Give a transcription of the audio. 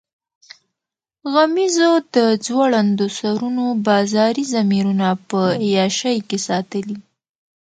غمیزو د ځوړندو سرونو بازاري ضمیرونه په عیاشۍ کې ساتلي.